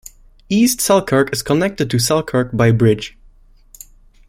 East Selkirk is connected to Selkirk by bridge.